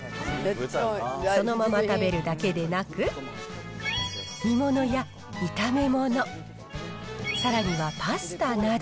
そのまま食べるだけでなく、煮物や炒め物、さらにはパスタなど。